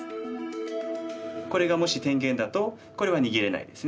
これがもし天元だとこれは逃げれないですね。